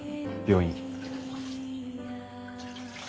病院。